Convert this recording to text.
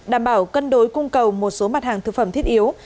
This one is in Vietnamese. đảm bảo cân đối cung cầu một số mặt hàng thực phẩm thiết yếu